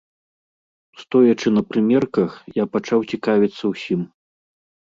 Стоячы на прымерках, я пачаў цікавіцца ўсім.